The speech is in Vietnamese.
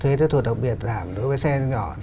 thuế tiêu thụ đặc biệt giảm đối với xe nhỏ